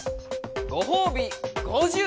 「ごほうび５０」。